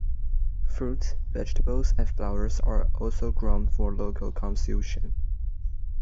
Fruits, vegetables, and flowers are also grown for local consumption.